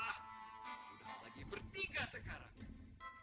sudah lagi bertiga sekarang